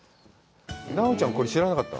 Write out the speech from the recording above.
奈緒ちゃん、これ知らなかった？